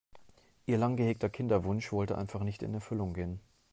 Ihr lang gehegter Kinderwunsch wollte einfach nicht in Erfüllung gehen.